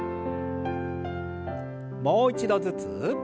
もう一度ずつ。